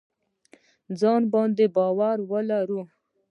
ځان باندې باور ولرئ